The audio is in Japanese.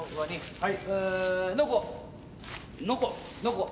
はい。